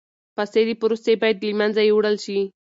فاسدی پروسې باید له منځه یوړل شي.